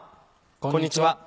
こんにちは。